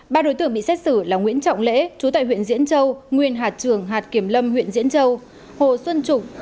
ba đối tượng bị xét xử là nguyễn trọng lễ chú tại huyện diễn châu nguyên hạt trường hạt kiểm lâm huyện diễn châu